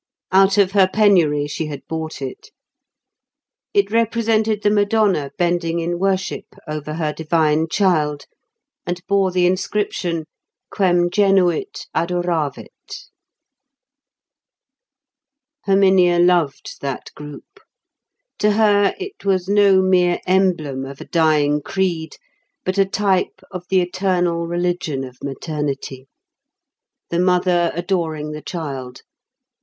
Out of her penury she had bought it. It represented the Madonna bending in worship over her divine child, and bore the inscription: "Quem genuit adoravit." Herminia loved that group. To her it was no mere emblem of a dying creed, but a type of the eternal religion of maternity. The Mother adoring the Child!